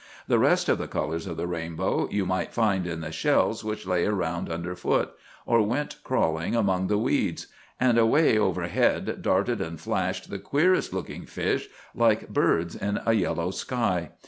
The rest of the colors of the rainbow you might find in the shells which lay around under foot, or went crawling among the weeds; and away overhead darted and flashed the queerest looking fish, like birds in a yellow sky.